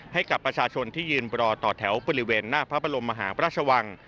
ให้กับประชาชนที่ยืนรอต่อแถวบริเวณหน้าพระบรมมหาพระราชวัง